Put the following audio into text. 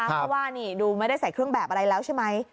เพราะว่านี่ดูไม่ได้ใส่เครื่องแบบอะไรแล้วใช่ไหม